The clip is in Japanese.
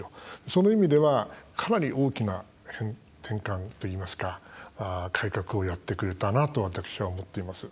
その意味ではかなり大きな転換といいますか改革をやってくれたなと私は思っています。